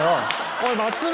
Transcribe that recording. ・・おい松村！